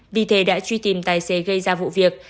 vì thế đã truy tìm tài xế gây ra vụ việc